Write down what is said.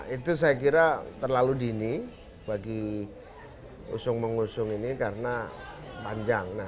itu saya kira terlalu dini bagi usung mengusung ini karena panjang